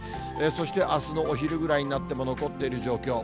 そしてあすのお昼ぐらいになっても残っている状況。